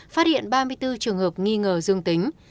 phát hiện ba mươi bốn trường hợp nghi ngờ dương tính